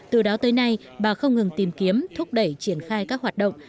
từ đó tới nay bà không ngừng tìm kiếm thúc đẩy triển khai các hoạt động